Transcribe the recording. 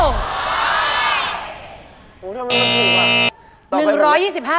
โอ้ไม่ใช่